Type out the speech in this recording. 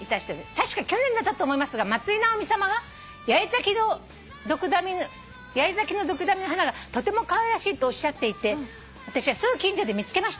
「確か去年だったと思いますが松居直美さまが八重咲きのドクダミの花がとてもかわいらしいとおっしゃっていて私はすぐ近所で見つけました」